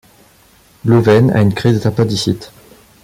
Louvaine a une crise d'appendicite.